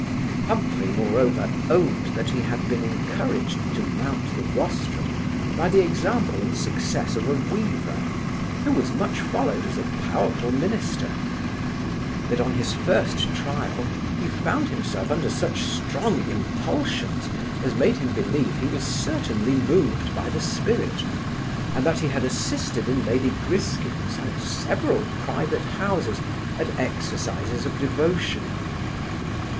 Humphry, moreover, owned that he had been encouraged to mount the rostrum, by the example and success of a weaver, who was much followed as a powerful minister: that on his first trial he found himself under such strong impulsions, as made him believe he was certainly moved by the spirit; and that he had assisted in lady Griskin's, and several private houses, at exercises of devotion.